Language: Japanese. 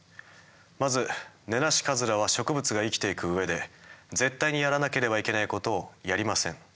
まずネナシカズラは植物が生きていく上で絶対にやらなければいけないことをやりません。